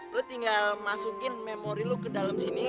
lo tinggal masukin memori lo ke dalam sini